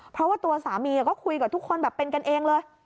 เพราะว่าตัวสามีก็คุยกับทุกคนแบบเป็นกันเองเลย